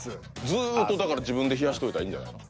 ずっとだから自分で冷やしといたらいいんじゃないの。